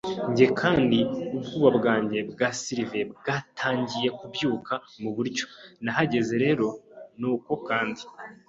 njye, kandi ubwoba bwanjye bwa silver bwatangiye kubyuka muburyo. Nahagaze rero, nuko, kandi